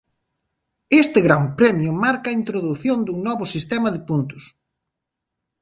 Este Gran Premio marca a introdución dun novo sistema de puntos.